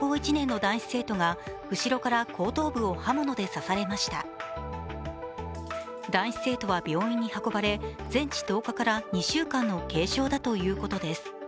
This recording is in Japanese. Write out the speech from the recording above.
男子生徒は病院に運ばれ全治１０日から２週間の軽傷だということです。